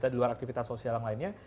di luar aktivitas sosial yang lainnya